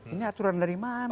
ini aturan dari mana